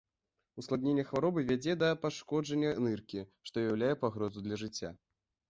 Ускладненне хваробы вядзе да пашкоджання ныркі, што ўяўляе пагрозу для жыцця.